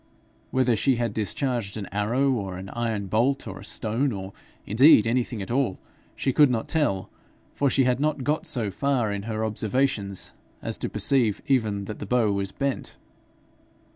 Whether she had discharged an arrow, or an iron bolt, or a stone, or indeed anything at all, she could not tell, for she had not got so far in her observations as to perceive even that the bow was bent.